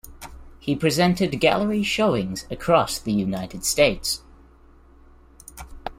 He presented gallery showings across the United States.